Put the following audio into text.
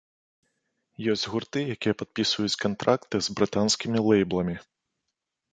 Ёсць гурты, якія падпісваюць кантракты з брытанскімі лейбламі.